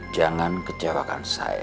jangan kecewakan saya